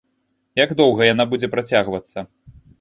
Як доўга яна будзе працягвацца?